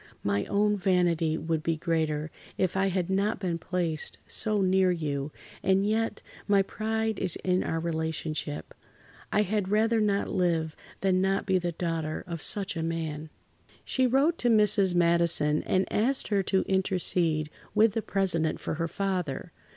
My own vanity would be greater if I had not been placed so near you, and yet, my pride is in our relationship. I had rather not live than not to be the daughter of such a man." She wrote to Mrs. Madison and asked her to intercede with the President for her father.